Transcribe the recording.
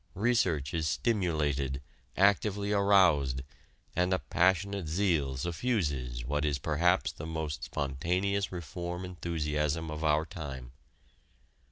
Research is stimulated, actively aroused, and a passionate zeal suffuses what is perhaps the most spontaneous reform enthusiasm of our time.